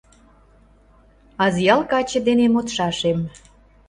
Азъял каче дене модшашем